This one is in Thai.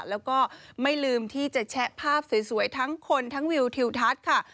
แล้วก็ไม่ลืมที่จะแชะภาพสวยทั้งคนทั้งวิวทิวทัศน์ค่ะ